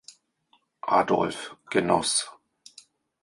Adolf, genoss.